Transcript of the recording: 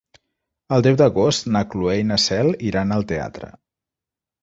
El deu d'agost na Cloè i na Cel iran al teatre.